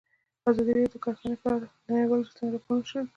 ازادي راډیو د کرهنه په اړه د نړیوالو رسنیو راپورونه شریک کړي.